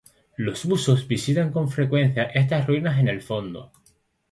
Los buzos visitan con frecuencia estas ruinas en el fondo.